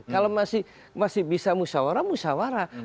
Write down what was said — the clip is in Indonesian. kalau masih bisa musyawara musyawara